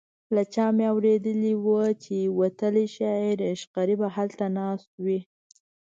له چا مې اورېدي وو چې وتلی شاعر عشقري به هلته ناست و.